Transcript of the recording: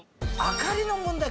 明かりの問題